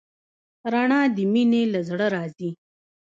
رڼا د مینې له زړه راځي.